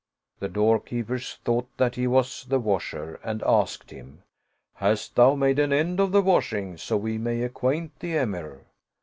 The doorkeepers thought that he was the washer and asked him, " Hast thou made an end of the washing, so we may acquaint the Emir?"